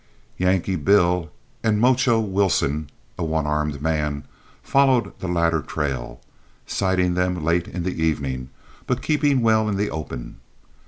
Yankee Bill and "Mocho" Wilson, a one armed man, followed the latter trail, sighting them late in the evening, but keeping well in the open.